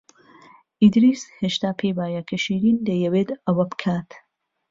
ئیدریس هێشتا پێی وایە کە شیرین دەیەوێت ئەوە بکات.